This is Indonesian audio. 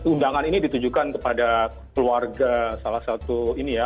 undangan ini ditujukan kepada keluarga salah satu ini ya